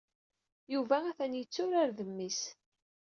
Yuba ha-t-an yetturar d mmi-s.